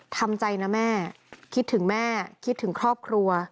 ทำใจนะแม่คิดถึงแม่คิดถึงครอบครัว